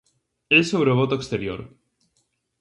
É sobre o voto exterior.